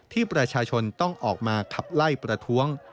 ที่ประชาชนต้องออกมาขับไล่ประท้วง